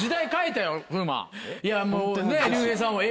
いやもうね。